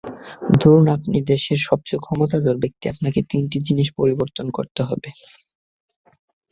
ধরুন আপনি দেশের সবচেয়ে ক্ষমতাধর ব্যক্তি, আপনাকে তিনটি জিনিস পরিবর্তন করতে হবে।